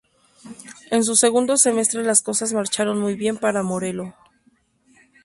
En su segundo semestre las cosas marcharon muy bien para Morelo.